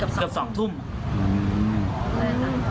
กระทั่งเด็กคลอดออกมาก่อนกำหนด